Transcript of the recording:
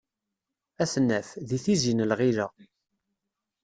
Ad t-naf, di tizi n lɣila.